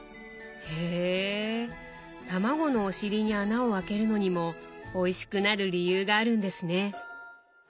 へたまごのお尻に穴をあけるのにもおいしくなる理由があるんですね。